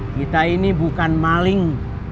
kita ini bukan maling